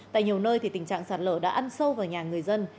tại nhiều nơi tình trạng sạt lở đã ăn sâu vào nhà người dân